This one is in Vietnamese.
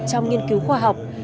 trong nghiên cứu khoa học